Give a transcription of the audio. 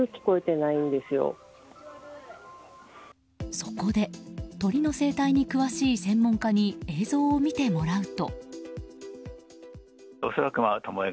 そこで、鳥の生態に詳しい専門家に映像を見てもらうと。